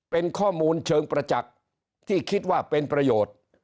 เป็นข้อมูลเชิงประจักษ์ที่คิดว่าเป็นประโยชน์